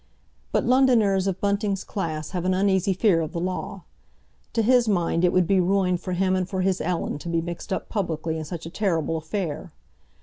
But Londoners of Bunting's class have an uneasy fear of the law. To his mind it would be ruin for him and for his Ellen to be mixed up publicly in such a terrible affair.